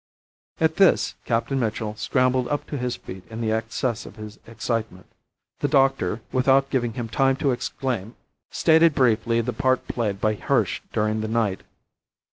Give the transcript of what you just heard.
At this, Captain Mitchell scrambled up to his feet in the excess of his excitement. The doctor, without giving him time to exclaim, stated briefly the part played by Hirsch during the night.